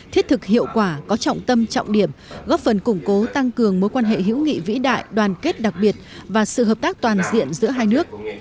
thiết thực hiệu quả có trọng tâm trọng điểm góp phần củng cố tăng cường mối quan hệ hữu nghị vĩ đại đoàn kết đặc biệt và sự hợp tác toàn diện giữa hai nước